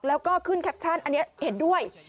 แล้วก็ขึ้นแคปชั่นอันนี้เห็นด้วย